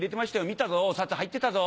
見たぞお札入ってたぞ。